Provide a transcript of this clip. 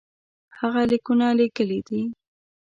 هغه لیکونه لېږلي دي.